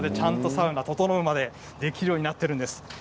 サウナ、ととのうまでできるようになっています。